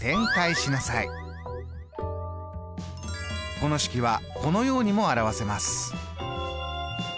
この式はこのようにも表せます。